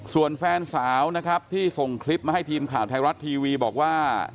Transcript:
ส่วนแฟนสาวนะครับที่ส่งคลิปมาให้ทีมข่าวไทยรัฐทีวีบอกว่า